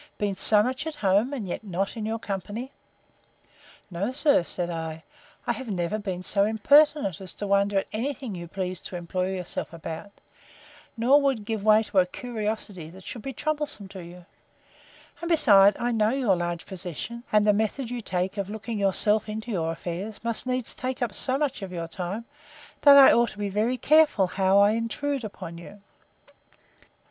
Been so much at home, and yet not in your company?—No, sir, said I; I have never been so impertinent as to wonder at any thing you please to employ yourself about; nor would give way to a curiosity that should be troublesome to you: And, besides, I know your large possessions; and the method you take of looking yourself into your affairs, must needs take up so much of your time, that I ought to be very careful how I intrude upon you.